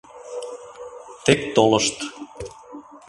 Тек толышт...